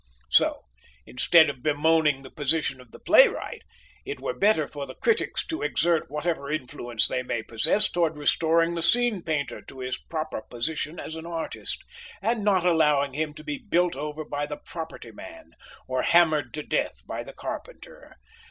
So, instead of bemoaning the position of the playwright, it were better for the critics to exert whatever influence they may possess towards restoring the scene painter to his proper position as an artist, and not allowing him to be built over by the property man, or hammered to death by the carpenter.